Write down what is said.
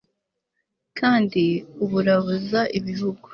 kandi uburabuza ibihugu